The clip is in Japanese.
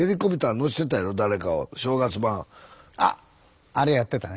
あっあれやってたね。